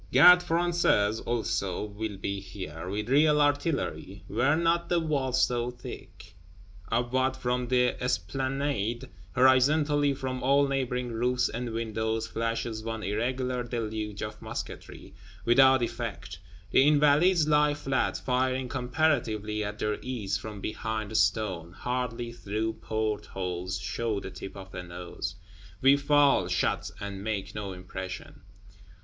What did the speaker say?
Gardes Françaises, also, will be here, with real artillery: were not the walls so thick! Upward from the Esplanade, horizontally from all neighboring roofs and windows, flashes one irregular deluge of musketry, without effect. The Invalides lie flat, firing comparatively at their ease from behind stone; hardly through port holes show the tip of a nose. We fall, shot; and make no impression!